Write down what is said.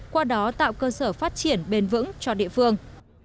qua đó tạo cơ sở phát triển bền vững cho địa phương